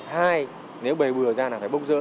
hai nếu bày bừa ra là phải bốc rỡ